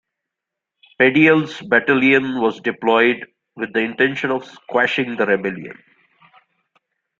Padial's battalion was deployed with the intention of "squashing" the rebellion.